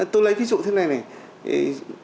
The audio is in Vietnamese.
tôi lấy ví dụ thế này này